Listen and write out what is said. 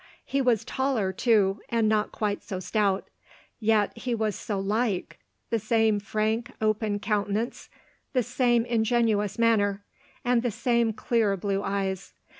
He was taller, too, and not quite so stout; yet he was so like — the same frank, open countenance, the same ingenuous manner, and the same clear blue eyes.